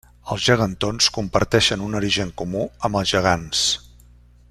Els gegantons comparteixen un origen comú amb els gegants.